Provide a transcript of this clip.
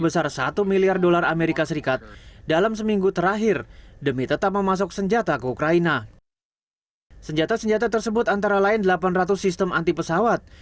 pertanah pertanah kita telah bergerak untuk memberikan pesan kepercayaan yang signifikan